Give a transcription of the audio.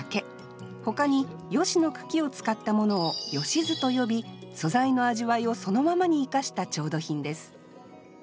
ほかに葦の茎を使ったものを葦簀と呼び素材の味わいをそのままに生かした調度品です